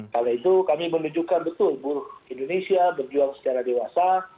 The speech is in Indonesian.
karena itu kami menunjukkan betul buruh indonesia berjuang secara dewasa